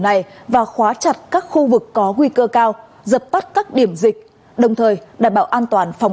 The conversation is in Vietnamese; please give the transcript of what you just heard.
này và khóa chặt các khu vực có nguy cơ cao dập tắt các điểm dịch đồng thời đảm bảo an toàn phòng